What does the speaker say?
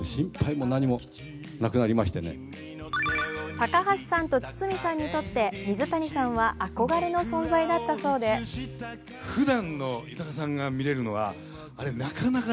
高橋さんと堤さんにとって水谷さんは憧れの存在だったそうで続いてはこちら。